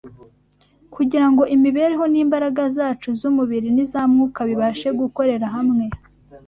kugira ngo imibereho y’imbaraga zacu z’umubiri n’iza Mwuka bibashe gukorera hamwe